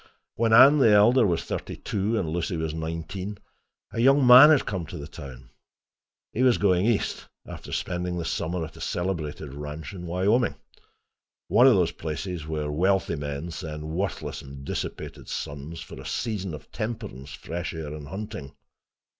When Anne, the elder, was thirty two and Lucy was nineteen, a young man had come to the town. He was going east, after spending the summer at a celebrated ranch in Wyoming—one of those places where wealthy men send worthless and dissipated sons, for a season of temperance, fresh air and hunting.